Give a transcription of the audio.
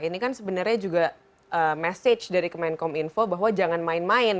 ini kan sebenarnya juga message dari kemenkom info bahwa jangan main main